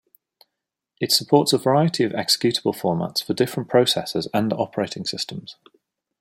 It supports a variety of executable formats for different processors and operating systems.